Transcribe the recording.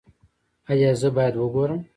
ایا زه باید وګورم؟